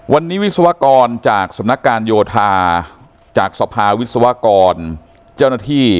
วันนี้วิศวกรจากสำนักการโยธาจากสภาวิศวกรเจ้าหน้าที่